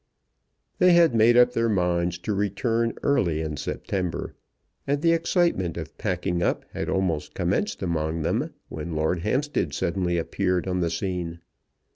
They had made up their mind to return early in September, and the excitement of packing up had almost commenced among them when Lord Hampstead suddenly appeared on the scene.